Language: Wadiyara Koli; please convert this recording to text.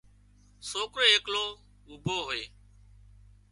سوڪرو ايڪلو اوڀو هوئي